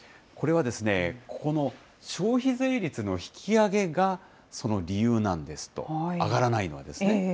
これは、ここの消費税率の引き上げがその理由なんですと、上がらないのは。